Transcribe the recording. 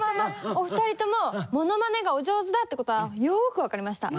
お二人ともモノマネがお上手だってことはよく分かりました。